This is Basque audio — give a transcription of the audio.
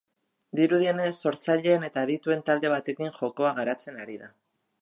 Dirudienez sortzaileen eta adituen talde batekin jokoa garatzen ari da.